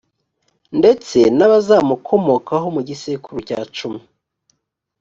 ndetse n’abazamukomokaho mu gisekuru cya cumi,